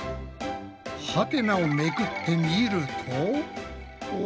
ハテナをめくってみるとお！